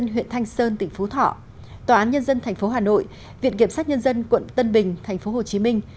huyện thanh sơn tỉnh phú thọ tòa án nhân dân thành phố hà nội viện kiểm sát nhân dân quận tân bình thành phố hồ chí minh